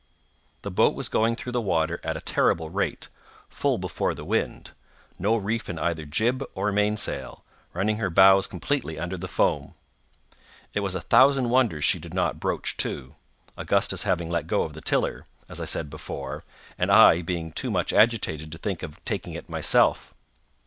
The boat was going through the water at a terrible rate—full before the wind—no reef in either jib or mainsail—running her bows completely under the foam. It was a thousand wonders she did not broach to—Augustus having let go the tiller, as I said before, and I being too much agitated to think of taking it myself.